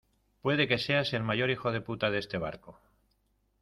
puede que seas el mayor hijo de puta de este barco